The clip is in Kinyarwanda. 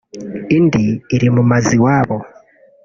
indi iri mu mazu iwabo